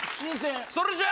それじゃあ。